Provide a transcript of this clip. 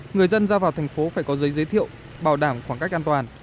người dân ra vào thành phố phải có giấy giới thiệu bảo đảm khoảng cách an toàn